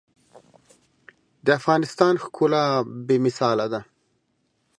د افغانستان ښکلا بې مثاله ده.